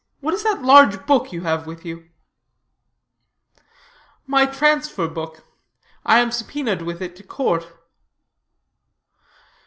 What is that large book you have with you?" "My transfer book. I am subpoenaed with it to court."